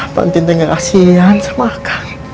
apaan tin tengah kasihan sama kang